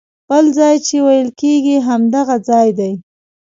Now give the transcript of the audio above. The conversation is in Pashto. بل ځای چې ویل کېږي همدغه ځای دی.